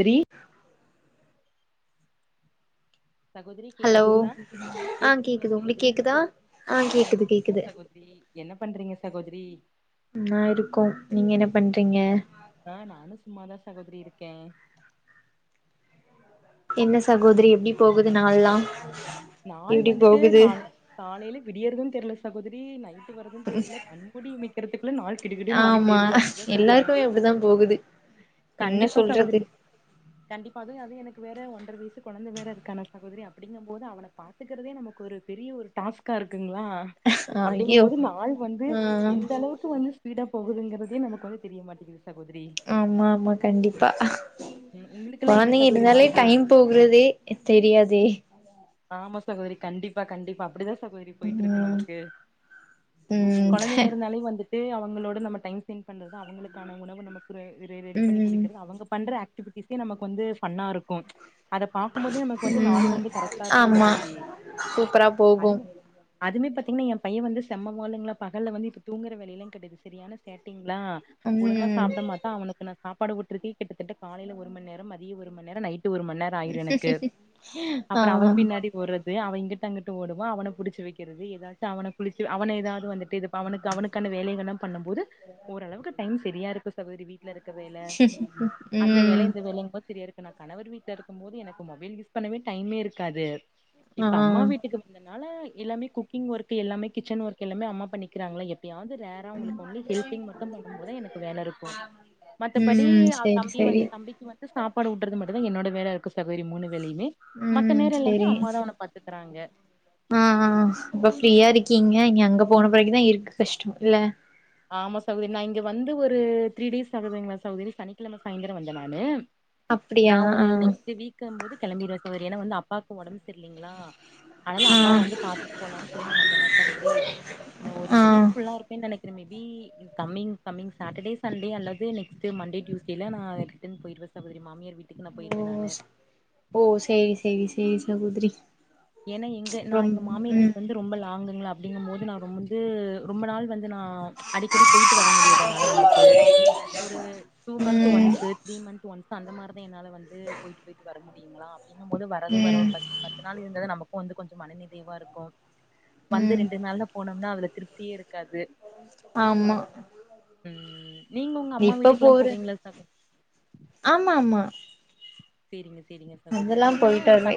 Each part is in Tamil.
த்ரீ சகோதரி ஹலோ கேக்குதுங்களா ஆ கேக்குதுங்களா கேக்குது உங்களுக்கு சகோதரி கேக்குதா ஆ கேக்குது கேக்குது ரி என்ன பண்றீங்க சகோதரி சும்மா இருக்கோ நீங்க என்ன பண்றீங்க ஆ நானு சும்மா தா சகோதரி இருக்க என்ன சகோதரி எப்டி போகுது நாள்ல்லா நாள் வந்துட்டு கால காலைல விடியறது தெர்ல சகோதரி நை ருட்டு வறது தெரில கண்கூடி இமைக்கிறதுக்குள்ள நாள் கிடுகிடுனு ஓடி ஆமா போயிருது அப்டிதா சொல்லணு எல்லாருக்குமே அப்டிதா போகுது என்ன கண்டிப்பா சகோதரி சொல்றது கண்டிப்பாவது அது எனக்கு வேற ஒன்ற வயசு கொழந்த வேற இருக்கான சகோதரி அப்டிங்கம் போது அவன பாத் த்துக்கறதே நமக்கு ஒரு பெரிய ஒரு டாஸ்க்கா இருக்குங்களா அப்டிங்கும் ஐயோ போது நாள் வந்து ம் எந்த அளவுக் க்கு வந்து ஸ்பீடா போகுதுங்கறதே நமக்கு வந்து தெரிய மாட்டிகுது சகோதிரி ஆமா ஆமா கண்டிப்பா ம் உங்களுக்கெல்லா எப்டி கொழந்தைங்க சகோதரி நாள் இருந்தாலே போயிட் டைம் போகறதே தெரியாதே ஆமா சகோதரி கண்டிப்பா கண்டிப்பா அப்டிதா சகோதரி போயிட்டு இருக்கு ம் நமக்கு ம் கொழந்தைங்க இருந்தாலே வந்துட் டு அவங்களோட நம்ம டைம் ஸ்பெண்ட் பண்றதுதா அவங்களுக்கான உணவு நம்ம ரெடி பண்ணி ம் குடிக்கறது அவங்க பண்ற ஆக் டிவிஸ நமக்கு வந்து ஃபன்னா இருக்கு அத பாக்கும்போதே நமக்கு வந்து நாள் ம் வந்து கர ஆமா சூப்பரா போகு [inaudible] அதுமே பாத்திங்ன்னா எ பைய வந்து செம்ம வாளுங்களா பகல்ல வந்து இப்ப தூங்கற வேலலா கடாது சரியான சேட்டிங்லா ஒழுங்கா ம் சாப்ட மாட்டா அவுனுக்கு நா சாப்பாடு ஊட்டர்க்கே கிட்டத்தட்ட காலைல ஒரு மணி நேரொ மதிய ஒரு மணி நேரொ நை ட்டு ஒரு மண்நேர அப்பறோ அவ ஆ பின்னாடி ஓட்றது அவ இங்கிட்டு அங்கிட்டு ஓடுவா அவன புடிச்சி வக்கிறது எதாச்சு அவன குளிச்சு அவனேதா அது வந்துட்டு இதுப்ப அவுனுக்கு அவுனுக்கான வேலகல்லா பன்ன போது ஓரளவுக்கு டைம் சரியா இருக்கு சகோதரி வீட்லருக்க வேல அந்த ம் வேல இந்த வேலங்க சரியாஇருக்கு நா கணவர் வீட்ல இருக்கு போது எனக்கு மொபைலு யூஸ் பண்ணவே டைமே இருக்காது ஆ இப்ப அம்மா வீட்டுக்கு இதனால எல்லாமே குக்கிங் ஒர்க்கு எல்லாமே கிச்சன் ஒர்க்கு எல்லாமே அம்மா பன்னிக்கிறாங்ள எப்பயாது ரேர் அவுங்களுக்கு ஒன்லி ஹெல்ப்பிங் மட்டு பன்னு போதா எனக்கு வேல இருக்கு மத்தபடி ம் அவ சேரி தம்பிய சேரி வந்து தம்பிக்கு வந்து சாப்பாடு ஊட்டறது மட்டுந்தா என்னோட வேலயாருக்கு சகோதரி மூணு வேலயுமே மத்த ம் நேரோ எல்லாமே சேரி அம்மாதா அவன பாத்துக்றாங்க ஆ இப்ப ஃப்ரீயா இருக்கீங்க இங்க அங்க போன பிறகுதா இருக்கு கஷ்டொ இல்ல ஆமா சகோதரி நா இங்க வந்து ஒரு த்ரீ டேஸ் ஆகுதுங்களா சகோதரி சனிக்கெழம சாய்ந்திரோ வந்த நானு நா அப்டியா ஆ ஒரு நெக்ஸ்ட் வீக்க போது கெளம்பிடுவே சகோதரி ஏனா வந்து அப்பாக்கு ஒடம்பு சர்லீங்ளா ஆனால ஆ அப்பாவ வந்து பாத்துட்டு போலானு சொல்லி நா வந்தேனா சகோதரி நா ஒரு ஆ இந்த வீக் ஃபுல்லா இருப்பேன்னு நெனைக் கிறே maybe coming coming Saturday Sunday அல்லது நெக்ஸ்ட் மண்டே டூஸ்டேல்லா ரிட்டன் போய்டுவே சகோதரி மாியார் வீட்டு க்கு நா ஓ போய்டுவே நானு ஓ செரி செரி செரி சகோதிரி ஏனா எங்க நா எங்க வீடு வந்து ரொம்ப லாங்குங்ளா அப்டிங்கு போது நா ரொம் வந்து ரொம்ப நாள் வந்து நா அடிக்கடி போயிட்டு வர முடியாது என்னால வந்துட்டு ஒரு டூ மந்த்த் ம் ஒன்ஸு த்ரீ மந்த் ஒன்ஸ் அந்த மாரிதே என்னால வந்து போயிட்டு போயிட்டு வர முடியுங்ளா அப்டிங்குபோது வரது வரோ ம் பத் பத்து நாள்ந்து ன்றது நமக்கூ வந்து கொஞ்சோ மனநிறைவா இருக்கூ வந்து ம் ரெண்டு நாள்ல போனோமுனா அதுல திருப்தியே இருக்காது ஆமா ம் நீங்க உங்க அம்மா வீட்டுக்குல்லா போவீங்ளா சகோதரி ஆம ஆமா செரிங்க செரிங்க அதெல்லா போய்ட்டு வருவே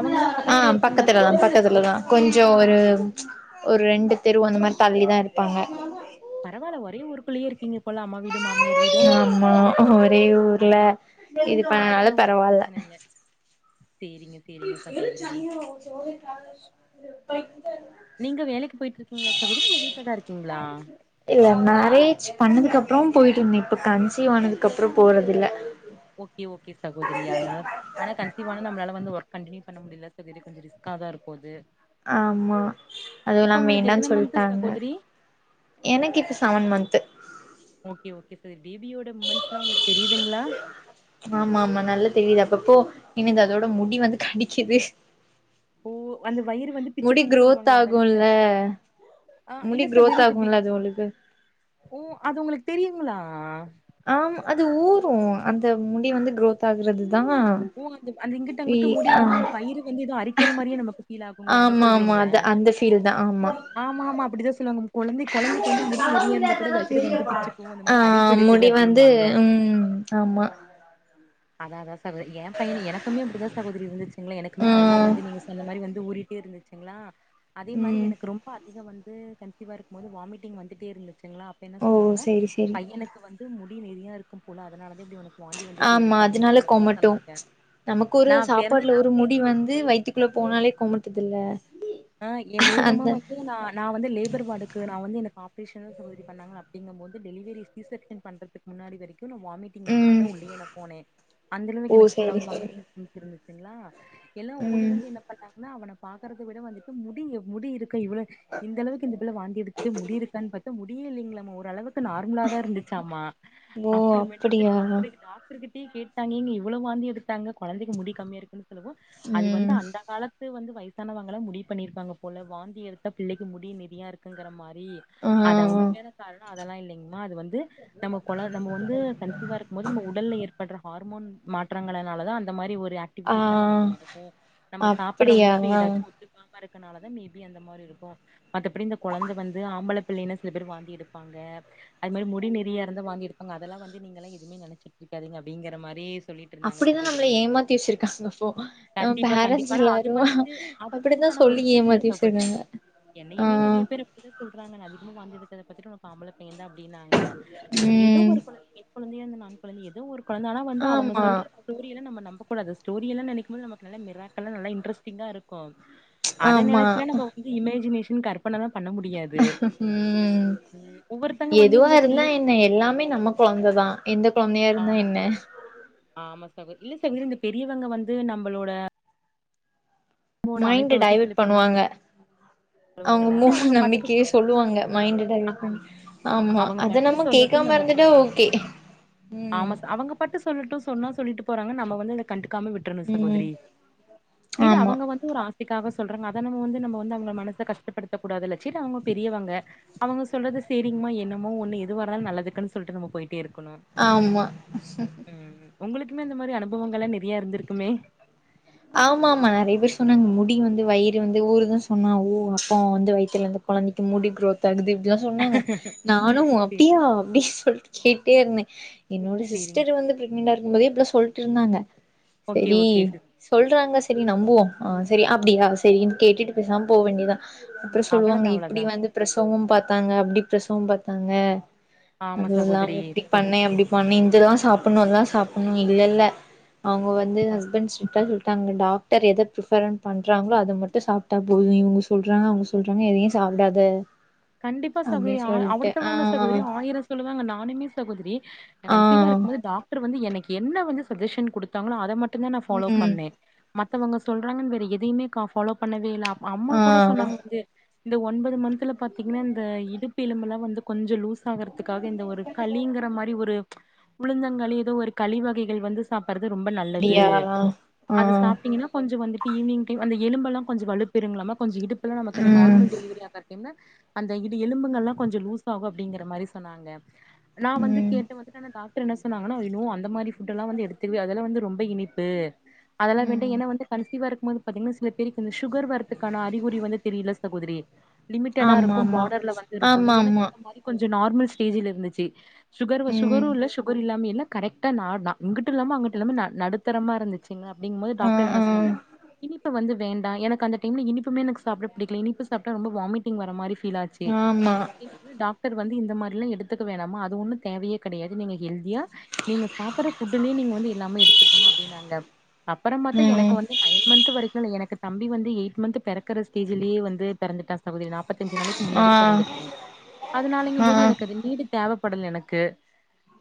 அவங்கல்லா ஆ பக்கத்துலயே இருக்காங்களா பக்கத்துலதா சகோதரி இல்ல தூர பக்கத்துலதா கொஞ்சோ ஒரு ஓகே ஒரு ரெண்டு தெரு அந்த மாரி தள்ளிதா இருப்பாங்க பரவால்ல ஒரே ஊருக்குள்ளயே இருக்கீங்க போல அம்மா வீடு மாமியார் வீடு ஆமா ஒரே ஊர்ல அதனா இது பன்னனால அதனால உங்களுக்கு பரவால்ல பிரச்சன இல்ல சேரிங்க சேரிங்க சகோதரி [unintelligible] நீங்க வேலக்கு போயிட்டு இருக்கீங்ளா சகோதரி இல்ல வீட்லதா இருக்கீங்ளா இல்ல மேரேஜ் பன்னதுக்கப்றோ போயிட்டுர்ந்தே இப்ப கன்சிங. ஆனதுக்கப்றோட போறதில்ல ஓகே ஓகே சகோதரி அதனால ஆனா கன்சிவான நம்ளால வந்து ஒர்க் கண்டினியூ பன்ன முடில சகோதரி கொஞ்சொ ரிஸ்காதா இருக்கது ஆமா அதுவுல்லாம வேணானு எத்தன மந்த்து சொல்ட்டாங்க சகோதரி எனக்கு இப்போ செவன் மந்த்து ஓகே ஓகே சகோதரி பேபியோட மூமெண்ட்ஸ்லா ஒங்ளுக்கு தெரியதுங்ளா ஆமா ஆமா நல்லா தெரிது அப்பப்போ எனக்கு அதோட முடி வந்து கடிக்கிது ஓ அந்த வயிறு வந்து முடி பிச்சுக்குன்னு கரோத் சொல்லுவாங்களே அதானே ஆகுல்ல சார் ஆ முடி இல்ல க்ரோத் சகோதரி இந்த பே ஆகும்ல அது ஒரு இது ஓ அது ஒங்ளுக்கு தெரியுங்களா ஆம் அது ஊரூ அந்த முடி வந்து குரோத் ஆகுறதுதா ஓ அந்த அந்த இங்கிட்ட இ அங்கிட்டூ முடி ஆ ஒருமாரி நம்ம வயிறு வந்து எதோ அரிக்கிற மாரியே நமக்கு ஃபீலாகூமுல்ல அத ஆமா ஆமா சொல்றீங்ளா அது அந்த ஃபீல் தா ஆமா ஆமா ஆமா அப்டிதா சொல்லுவாங்க கொழந்தக் பிச்சுக்கு அந்த ஆ மாரி அரிப்பு எடுக்குது முடி வந்து அப்டிம்பாங்க ம் ஆமா அதா அதா சகோ எ பைய எனக்குமே அப்படிதா சகோரி இருந்துச்சுங்கலே எனக்குமே ஆ வயிறு வந்து நீங்க சொன்ன மாரி வந்து ஊறிட்டே இருந்துச்சு லா அதே மாரி ம் எனக்கு ரொம்ப அதிக வந்து கன்சிவா இருக்கும்போது வாமிட்டிங் வந்துட்டே இருந்துச்சுங்களா என்ன ஓ சொன்னாங்கன்னா சேரி சேரி பையனுக்கு வந்து முடி நெறியா இருக்கு போல அதுனால தே இப்டி உனக்கு வாந்தி வந்துட்டே இருக் அதுனால கொமட்டு நமக்கு ஒரு நா சாப்பாட்டுல பெறந்ததுக்கு ஒரு அப்றோ முடி சகோதரி வந்து வேகமா வயித்துக்குள்ள வந்து என் போனாலே கொமட்டுதுல்ல ஆ ஏ வேகமா அந்த வந்து நா நா வந்து லேபர் வாடுக்கு நா வந்து எனக்கு ஆப்ரேஷன் தா சகதிரி பண்ணாங்க அப்டிங்கம்போது டெலிவரி சிசே யன் பண்றதுக்கு முன்னாடி வரைக்கு நா வாமிட் மிட்டிங் ம் எடுத்துட்டுதா உள்யே நா போனே அந்த அளவுக்கு ஓ எனக்கு சேரி ஃபுல்லாவே சேரி வாமிட்டிங் சென்ஸ் இருந்துச்சு சுங்லா எல்லா ஓடி ம் வந்து என்ன பண்ணாங்கன்னா அவன பாக்கறத விட வந்துட்டு முடி எவ் முடி இருக் க்க இவ்ள இந்த அளவுக்கு இந்த பிள்ள வாந்தி எடுத்து முடி இருக்கான் பாத்தா முடியே இல்லைங்ளாமா ஓரளவுக் நார்மலா தா இருந்துச்சாமா ஓ அப்பறமேட்டுக்கு அப்படியா டாக்ட்ரு டாக்ட்ரு கிட்டயே கேட்டா நீங்க இவ்வளோ வாந்தி எடுத்தாங்க கொழந்தக்கி முடி கம்மியா இருக்குன சொல்லவு அது வந்து ம் அந்த கால த்து வந்து வயசானவங்கலா முடிவு பண்ணிருப்பாங்க போல வாந்தி எடுத்தா பிள்ளக்கி முடி நெறையா இருக்குங்கிற மாரி ஆ அத உண்மையான காரணோ அதெல்லா இல்லைங்மா அது வந்து நம்ம கொழ நம்ம வந்து கன்சிவா இருக் போது நம்ம உடல்ல ஏற்பட்ர ஹார்மோன் மாற்றங்களனால தா அந்தமாரி ஒரு ஆக் ஆ ஆக்டிவிட்டிஸ் நம்ம பண்ணிருபாபோ நம்ம சாப்பட்ற அப்படியா உணவு எதாச்சு ஒத்துக்காம இருக்கனாலதா மேபி அந்தமா மாரி இருக்கு மத்தபடி இந்த கொழந்த வந்து ஆம்பல பிள்ளைன்னா சில பேர் வாந்தி எடுப்பாங்க அது மாரி முடி நெறியா இருந்து வாந்தி எடுபாங்க அதெல்லா வந்து நீங்கல்லா எவுமே நெனைச்சுட் இருக்காதிங்க அப்டிங்கிற மாரி சொல்லிட்டு இருந்தாங்க அப்படிதா நம்மள சகோதிரி ஏமாத்தி வச்சிருக்காங்க அப்போ நம்ம கண்டிப்பா பேரண்ட்ஸ் கண்டிப்பானா அது எல்லாரு வந்துட்டு அது அப்படித்தா வந்துட்டு ஆனா சொல்லி ஒரிஜினல் இல்ல ஏமாத்தி சகோதிரி வச்சிருக்காங்க என்னையுமே ஆ நெறிய பேர் அப்டிதா சொல்றாங்க நா அதிகமா வாந்தி எடுத்தத பாத்துட்டு ஒனக்கு ஆம்பள பையெந்தா அப்டின்னாங்க எதோ ம் ஒரு கொழந்த பெண்கொழந்தையோ ஆண்கொழந்த எதோ ஒரு கொழந்த ஆனா வந்து அவங்க ஆமா சொல்ற ஸ்டோரியல்ல நம்ம நம்பக் கூடாது ஸ்டோரியல்லா நெனிக்கும் போது நமக்கு மிராக்கல்ல நல்லா இன்ட்ரெஸ்டிங்கா இருக்கு அத ஆமா நெனச்சுலா நம்ம வந்து இமேஜினேஷன் கற்பனலா பண்ண முடியாது ம் ஒவ்வொருத்தங்க வந்து எதுவா இந்த ஃபே இருந்தா என்ன எல்லாமே நமக் கொழந்ததா எந்த கொழந்தையா இருந்தா ஆமா என்ன சகோ ஆமா சாகோத இல்ல சாகோதிரி இந்த பெரியவங்க வந்து நம்பளோட மைண்ட் வச்சு சில டைவர்ட் பேர்லா பண்ணுவாங்க அவுங்க சொல்லுவாங்கல்ல இது மூட அவங்க பாட்டுக்கு சொ- நம்பிக்கைய சொல்லுவாங்க மைண்ட டைவட் ஆமா பண்ணி ஆமா அவங்க அத பாட்டுக்கு நம்ம கே சொல்லட்டு கேக்காம நம்ம பா இருந்துட்டா ஓகே ம் ஆமா ச அவங்க பாட்டு சொல்லட்டு சொன்னா சொல்லிட்டு போறாங்க நம்ம வந்து இத கண்டுக்காம விட் விட்ரனு ம் சகோதிரி சேரி ஆமா அவுங்க வந்து ஒரு ஆசைக்காக சொல்றாங்க அத நம்ம வந்து நம்ம வந்து அவங்க மனசு ச கஷ்டப்படுத்த கூடாதுல செரி அவுங்க பெரியவங்க அவுங்க சொல்றது சேரிங்மா என்னமோ ஒன்னு எதுவா இர்ந்தாலு நல்லதுக்குன் சொல்ட்டு நம்ம போயிட்டே இருக்கணு ஆமா ம் ஒங்களுக்குமே இந்த மாரி அனுபவங்கள்ல நெறியா இருந்துருக்குமே ஆமா ஆமா நெறைய பேர் சொன்னாங்க முடி வந்து வயிறு வந்து ஊருதுன் சொன்னா ஓ அப்ப அவ வந்து வயித்துல இந்து கொழந்தெக்கி முடி குரோத் [unintelligible] இப்ட்லா சொன்னாங்க நானு சேரி அப்டியா அப்டின் சொல்ட்டு கேட்டே இருந்தே என்னோட சேரிங்க சிஸ்டர் வந்து பிரெக்னன்டா இருக்கும்போதே இப்ட்ளா சொல்ட்டு இருந்தாங்க ஓகே செரி ஓகே சிஸ் சொல்றாங்க செரி நம்புவோ ஆ செரி அப்டியா செரின்னு கேட்டுட்டு பேசாம போக வேண்டியதா அப்பறொ சொல்லுவாங்க அவ்வளதா இப்டி அவ்வளதா வந்து பிரசவொ பாத்தாங்க அப்டி பிரசவொ பாத்தாங்க ஆமா அதுவு இல்லாம சகோதரி இப்டி பண்ணே அப்டி பண்ணே இந்ததா சாப்புட்ணு அதா சாப்புட்ணு இல்ல இல்ல அவுங்க வந்து ஆ ஹஸ்பண்ட்ஸ் [unintelligible] சொல்ட்டாங்க டாக்டர் எத பிஃபரன் பண்றாங்ளோ அத மட்டு சாப்ட்டா போது இவுங்க சொல்றாங்க அவுங்க சொல்றாங்க எதையு சாப்டாத கண்டிப்பா அப்டி சகோதரி சொல்ட்டு ஆ அவடுத்தவங்க சகோதரி ஆயிரோ சொல்லுவாங்க நானுமே சகோதரி நா ஆ கன்சீவா இருக்கும் போது டாக்டர் வந்து எனக்கு என்ன வந்து சஜஷன் குடுத்தாங்களோ அத மட்டுந்தா நா ஃபாலோ ம் பண்ணே மத்தவங்க சொல்றாங்கன்னு வேற எதையுமே கா ஃபாலோ பண்ணவே இல்ல அம்மா ஆ கூட சொன்னாங்க வந்து இந்த ஒன்பது மன்ந்த்ல பாத்தீங்கன்னா இந்த இடுப்பு எலும்பெல்லா வந்து கொஞ்சோ லூஸ் ஆகுறதுக்காக இந்த ஒரு களிங்கிற மாரி ஒரு உளுந்தங்களி ஏதோ ஒரு களி வகைகள் வந்து சாப்பறது ரொம்ப நல்லது அப்டியா ஆ அது சாப்ட்டீங்கன்னா கொஞ்சோ வந்துட் ஈவ்னிங் டைம் அந்த எலும்பெல்லா கொஞ்சோ வலுப்பெறுங்களாமா கொஞ்சோ இடுப்பெல்லா நமக்கு இந்த ம் நார்மல் டெலிவரி ஆகற டைம்ல அந்த இடு எலும்புங்கள்ல்லா கொஞ்சோ லூஸ் ஆகு அப்டிங்கிற மாரி சொன்னாங்க நா வந்து ம் கேட்டு வந்துட்டு டாக் டர் என்ன சொன்னாங்கன்னா ஐ நோ அந்த மாரி ஃபுட்டெல்லா வந்து எடுத்துக்கவே அதுலா வந்து ரொம்ப இனிப்பு அதெல்லாம் வேண்டா ம் ஏனா வந்து கன்சிவ்வா இருக்கும் போது பாத்தீங்கன்னா சில பேருக்கு இந்த சுகர் வரத்துக்கான அறிகுறி வந்து தெரியுல சகோதரி லிமிடடா இருக் ஆமா கும் பார்டர்ல வந்து இருக்குல்ல ஆமா எனக்கு ஆமா ஆமா அந்த மாரி கொஞ்சோ நார்மல் ஸ்டேஜில இருந்துச்சு சுகர் ம் சுகரு இல்ல சுகர் இல்லாமயு இல்ல கரெக்டா நார் நா இங்குட்டு இல்லாம அங்குட்டு இல்லாம நடுத்தரமா இருந்துச்சு க அப்டிங்கும்போது ஆ டாக்டர் என்ன ஆ சொன்னாங்க இனிப்பு வந்து வேண்டா எனக்கு அந்த டைம்ல இனிப்புமே எனக்கு சாப்ட பிடிக்கல இனிப்பு சாப்ட்டா ரொம்ப வாமிட்டங் வர மாரி ஃபீல் ஆச்சி ஆமா [unintelligible] டாக்டர் வந்து இந்த மாரில்லாம் எடுத்துக்க வேணாமா அது ஒன்னு தேவையே கெடையாது நீங்க ஹெல்தியா நீங்க சாப்பற ஃபுட்டுலயே நீங்க வந்து எல்லாமே எடுத்துக்கோங்க அப்டின்னாங்க அப்பறமாத்தா எனக்கு ம் வந்து நயன் மன்ந்த்து வரைக்கு இல்ல எனக்கு தம்பி வந்து எய்ட் மன்ந்த் பெறக்கர ஸ்டேஜ்லயே வந்து பெறந்துட்டா சகோதரி நாப்பத்தஞ்சு நாளை ஆ முன்னாடி பெறந்துட்டா அதனாலங்க போது ஆ எனக்கு அந்த நீடு தேவ படல எனக்கு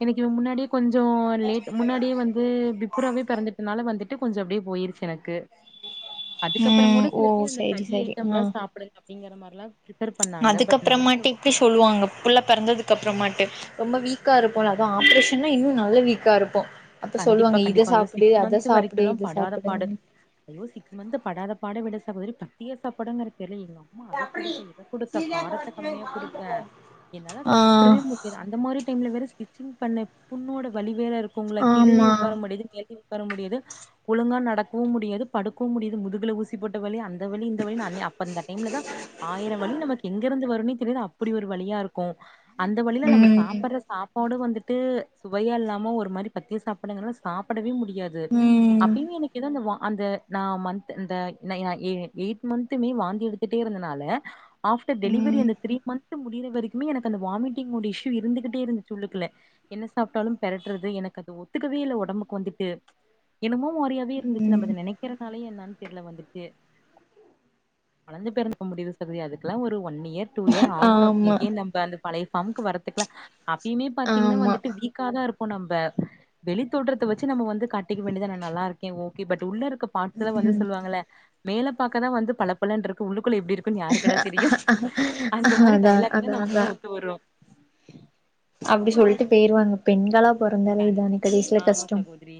எனக்கு இவ முன்னாடியே கொஞ்சோ லேட் முன்னாடியே வந்து பிட் பிப்றாவே பெறந்துட்டனால வந்துட்டு கொஞ்சோ அப்டியே போய்ருச்சு எனக்கு அதுக்கப்புறோ ம் கூட ஓ சில பேர் அந்த சரி களி சரி ஆ ஐட்டம்ல்லா சாப்டு அப்டிங்கற மாரிலா ரெஃபர் பண்ணாங்க பட் நமக்கு அப்டி சொல்லுவாங்க புள்ள பெறந்ததுக்கு அப்றமாட்டு ரொம்ப வீக்கா இருப்போல அதா ஆப்ரேஷன்னா இன்னு நல்லா வீக்கா இருப்போ அப்ப கண்டிப்பா சொல்லுவாங்க இத கண்டிப்பா ஐயோ சாப்டு சிக்ஸ் அத மந்த் சாப்பிடு வரைக்குல்லா இத படாத பாடு சாப்பிடுன்னு ஐயோ சிக்ஸ் மன்ந்த்து படாத பாட விட சகோதரி பத்திய சாப்பாடுங்கிற பேர்ல எங்க அம் மா அத குடுக்க இத குடுக்க காரத்த கம்மியா குடுக்க என்னால சாப்பிடவே ஆ மு அந்த மாரி டைம்ல வேற ஸ்டிச்சிங் பண்ண புண்ணோட வலி வேற இருக்குங்ளா கீழயு ஆமா உக்கார முடியாது மேலயு உக்கார முடியாது ஒழுங்கா நடக்கவு முடியாது படுக்கவு முடியாது முதுகுல ஊசி போட்ட வலி அந் அந்த வலி இந்த வலினு ந அப்ப அந்த டைம்ல தா ஆயிரோ வலி நமக்கு எங்கருந்து வருன்னே தெரியாது அப் அப்டி ஒரு வலியா இருக்கு அந்த வலில நம்ம ம் சாப்பற சாப் பாடு வந்துட்டு சுவையா இல்லாம ஒரு மாரி பத்திய சாப்பாடுங்கல்லா சாப்டவே முடியாது ம் அப்பயுமே எனக்கு ஏதோ அந்த வா அந்த நா மன்ந்த்து அந்த நா ஏ எய்ட் மன்ந்துமே வாந்தி எடுத் துட்டே இருந்தனால ஆஃப்டர் டெலிவரி ம் அந்த த்ரீ மன்ந்த் து முடியிற வரைக்குமே எனக்கு அந்த வாமிட்டிங்கோட இஸ்யூ இருந்துகிட்டே இருந்துச்சி உள்ளுக்குள்ள என்ன சாப்ட்டாலு பெரட்றது எனக்கு அ து ஒத்துக்கவே இல்ல ஒடம்புக்கு வந்துட்டு என்னமோ மாறியாவே இருந்துச்சு நம்ம ம் அத நெனைக் க்கற நாளையே என்னன் தெர்ல வந்துட்டு கொழந்த பெறந்த முடியு சொல்றியா அதுகுல்லா ஒரு ஒன் இயர் டூ இயர் ஆகணு ஆமா இகேன் நம்ப அந்த பழைய ஃபார்ம்க்கு வரதுக்கு அப்பயுமே பாத்தீங்கன்னா ஆமா வந்துட்டு வீக் க்கா தா இருப்போ நம்ப வெளித்தோட்றத்த வச்சி நம்ம வந்து காட்டிக்க வேண்டிய தா நா நல்லாருக்கே ஓகே பட் உள்ளருக்க பார்ட்ஸ்ல வந்து ம் சொல்லுவாங்கள மேல பாக்க தா வந்து பலப்பலன்ருக்கு உள்ளுக்குள்ள எப்டி இரு க்குனு யாருக்குடா தெரியும் அந்த மாரி அதா டய்லாக் அதா தான் அதா நமக்கெல்லாம் ஒத்து வரும் அப்டி சொல்லிட்டு போயிருவாங்க பெண்களா பொறந்தாலே இதான் கடைசில ஆமா கஷ்டோம் சகோதரி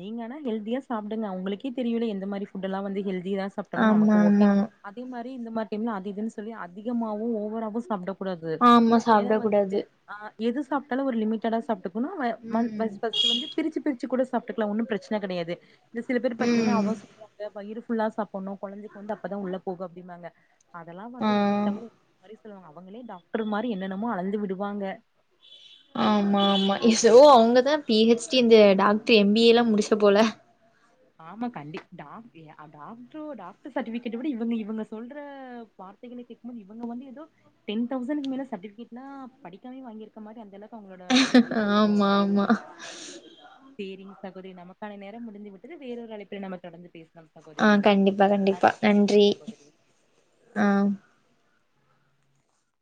நீங்கனா ஹெல்தியா சாப்டுங்க உங்களுக்கே தெரியுல எந்த மாரி ஃபுட் எல்லா வந்து ஹெல்தியா சாப்டம்னா நமக்கு ஆமா ஓகே ஆமா அதே மாரி இந்த மாரி டைம் அது இதுன்னு சொல்லி அதிகமாவு ஓவராவும் சாப்டக்கூடாது ஆமா ஏனா சாப்ட வந்துட்டு கூடாது அ எது சாப்டாலும் ஒரு லிமிட்டடா சாப்ட்டு போணு மன் ஃப ம் ஃபர்ஸ்ட் வந்து பிரிச்சு பிரிச்சு கூட சாப்டுக்கலாம் ஒண்ணு பிரச்சன கெடயாது இந்த சில பேர் பாத்தீங்கன்னா ம் அவ சொல்றா வயிறு ஃபுல்லா சாப்பணு கொழந்தைக்கு வந்து அப்பதான் உள்ள போகும் அப்டிம்பாங்க அதெல்லாம் ஆ வந்து ஒவ்வொருத்தவங்களும் ஒரு ஒரு மாரி சொல்லுவாங்க அவங்களே டாக்டர் மாரி அப்டி என்னென்னமோ அளந்து விடுவாங்க ஆமா ஆமா ஏதோ அவுங்கதா பி ஹெச் டி இந்த டாக்டர் எம் பி ஏ எல்லா முடிச்ச போல ஆமா கண்டிப் டாக் டாக்டரு டாக்டர் சர்டிஃபிகேட் விட இவுங்க இவுங்க சொல்ற வார்த்தைகள கேக்கும்மோது இவங்க வந்து எதோ டென்தௌசண்ட்க்கு மேல சர்டிஃபிகட்ல படிக்காமயே வாங்கிருக்க மாரி அந்தளவுக்கு அவுங்களோட ஸ்பீச் எல்லாம் இருக்கும் ஆமா ஆமா சேரிங்க சகோதிரி நமக்கான நேரம் முடிந்து விட்டுது வேற ஒரு அழைப்புல நம்ப தொடர்ந்து பேஸ் ஆ கண்டிப்பா கண்டிப்பா நன்றி சகோதரி ஆ